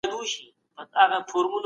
لوستل او ليکل د پوهې لارې دي.